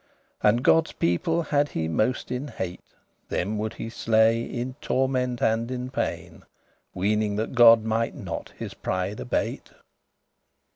And Godde's people had he most in hate Them would he slay in torment and in pain, Weening that God might not his pride abate.